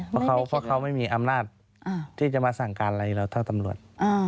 เพราะเขาไม่มีอำนาจที่จะมาสั่งการอะไรเราเท่าตำรวจ